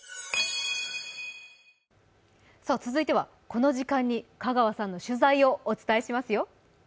この時間に香川さんの取材をお届けしますよ。